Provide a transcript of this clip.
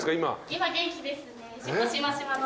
今元気ですね。